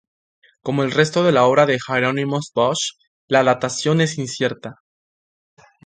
Como el resto de la obra de Hieronymus Bosch, la datación es incierta.